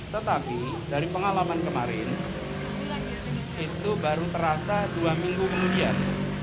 tetapi dari pengalaman kemarin itu baru terasa dua minggu kemudian